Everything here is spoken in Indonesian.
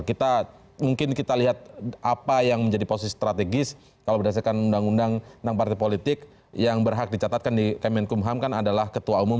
kita mungkin kita lihat apa yang menjadi posisi strategis kalau berdasarkan undang undang tentang partai politik yang berhak dicatatkan di kemenkumham kan adalah ketua umum